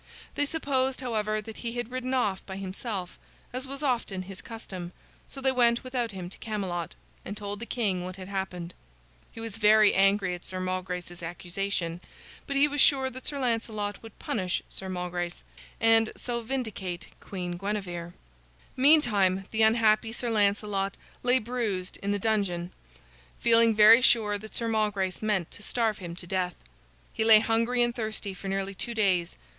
They supposed, however, that he had ridden off by himself, as was often his custom, so they went without him to Camelot, and told the king what had happened. He was very angry at Sir Malgrace's accusation, but he was sure that Sir Lancelot would punish Sir Malgrace, and so vindicate Queen Guinevere. Meantime, the unhappy Sir Lancelot lay bruised in the dungeon, feeling very sure that Sir Malgrace meant to starve him to death. He lay hungry and thirsty for nearly two days.